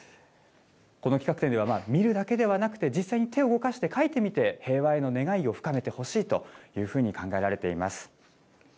この企画展では、見るだけではなくて、実際に手を動かして描いてみて、平和への願いを深めてほしいというふうに考えられています。